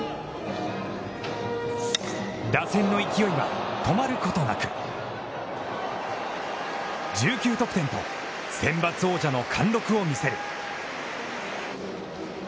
打線の勢いは止まることなく１９得点とセンバツ王者の貫禄を見せる。